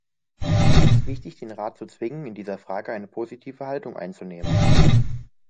Es ist wichtig, den Rat zu zwingen, in dieser Frage eine positive Haltung einzunehmen.